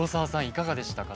いかがでしたか？